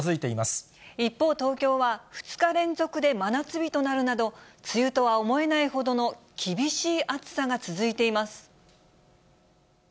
一方、東京は２日連続で真夏日となるなど、梅雨とは思えないほどの厳しい暑さが続いています。